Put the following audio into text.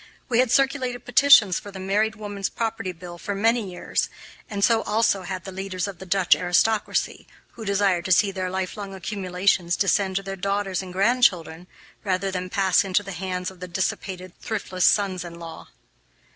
We had circulated petitions for the Married Woman's Property Bill for many years, and so also had the leaders of the Dutch aristocracy, who desired to see their life long accumulations descend to their daughters and grandchildren rather than pass into the hands of dissipated, thriftless sons in law.